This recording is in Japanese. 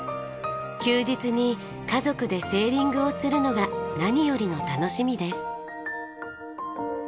休日に家族でセーリングをするのが何よりの楽しみです。